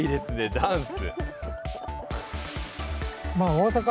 ダンス。